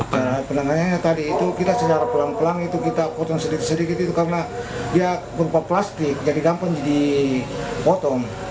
nah penanganannya tadi itu kita secara pelan pelan itu kita potong sedikit sedikit itu karena dia berupa plastik jadi gampang dipotong